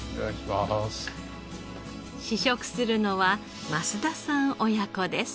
試食するのは増田さん親子です。